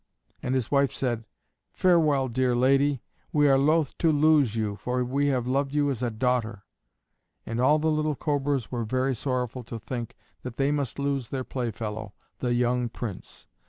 And his wife said, "Farewell, dear lady, we are loath to lose you, for we have loved you as a daughter." And all the little Cobras were very sorrowful to think that they must lose their playfellow, the young Prince.